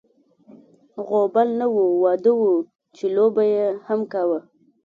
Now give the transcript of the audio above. غوبل نه و، واده و چې لو به یې هم کاوه.